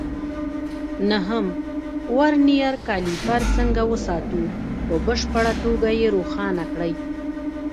نهم: ورنیر کالیپر څنګه وساتو؟ په بشپړه توګه یې روښانه کړئ.